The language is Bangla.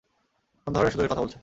কোন ধরনের সুযোগের কথা বলছো?